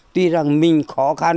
tuy rằng mình khó khăn